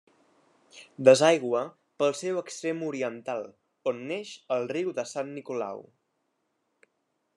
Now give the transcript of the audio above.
Desaigua pel seu extrem oriental, on neix el Riu de Sant Nicolau.